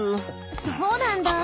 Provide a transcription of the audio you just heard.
そうなんだ。